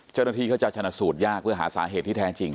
เจ้าหน้าที่เขาจะชนะสูตรยากเพื่อหาสาเหตุที่แท้จริง